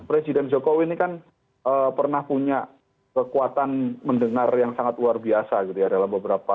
presiden jokowi ini kan pernah punya kekuatan mendengar yang sangat luar biasa gitu ya dalam beberapa